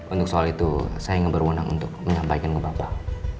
untuk soal itu saya ngeberundang untuk menyampaikan ke bapak